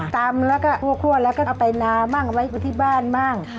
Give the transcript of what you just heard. ตำแล้วก็เครื่องแล้วก็เอาไปนาแม่งเอาไว้ที่บ้านมาก